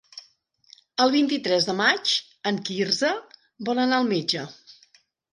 El vint-i-tres de maig en Quirze vol anar al metge.